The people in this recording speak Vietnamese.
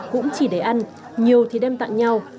cũng chỉ để ăn nhiều thì đem tặng nhau